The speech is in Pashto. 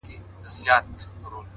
د څلورو مخلوقاتو گډ آواز دی’